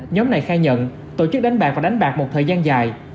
nhóm này khai nhận tổ chức đánh bạc và đánh bạc một thời gian dài